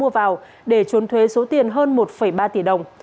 mua vào để trốn thuế số tiền hơn một ba tỷ đồng